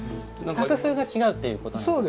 作風が違うっていうことなんですか？